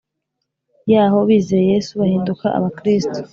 Yaho bizeye yesu bahinduka abakristo